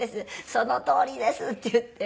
「そのとおりです！」って言って。